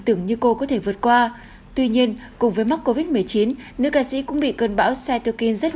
tưởng như cô có thể vượt qua tuy nhiên cùng với mắc covid một mươi chín nữ ca sĩ cũng bị cơn bão situkin rất